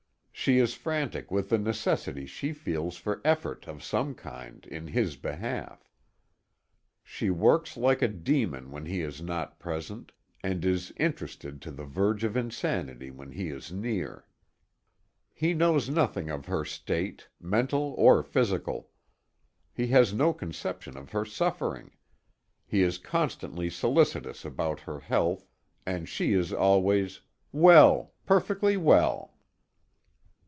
She is frantic with the necessity she feels for effort of some kind in his behalf. She works like a demon when he is not present, and is "interested" to the verge of insanity when he is near. He knows nothing of her state, mental or physical. He has no conception of her suffering. He is constantly solicitous about her health, and she is always "Well; perfectly well!"